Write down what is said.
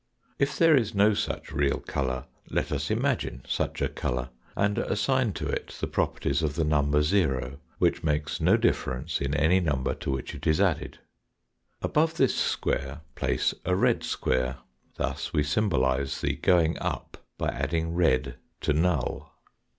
If there is no such real colour let us imagine such a colour, and assign to it the properties of the number zero, which makes no difference in any number to which it is added. Above this square place a red square. Thus we symbolise the going up by adding red to null.